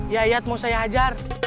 yayat mau saya hajar